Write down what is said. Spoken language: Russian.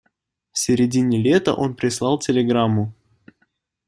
В середине лета он прислал телеграмму.